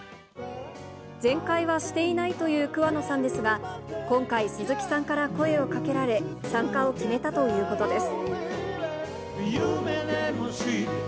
全快はしていないという桑野さんですが、今回、鈴木さんから声をかけられ、参加を決めたということです。